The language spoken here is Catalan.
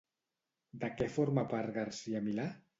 De què forma part Garcia-Milà?